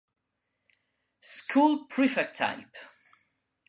School prefect type.